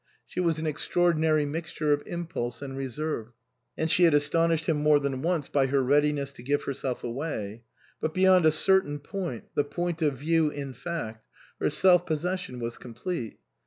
She was an extraordin ary mixture of impulse and reserve, and she had astonished him more than once by her readiness to give herself away ; but beyond a certain point the point of view in fact her self posses sion was complete.